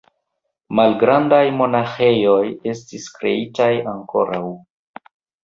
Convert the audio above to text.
Malgrandaj monaĥejoj estis kreitaj ankoraŭ.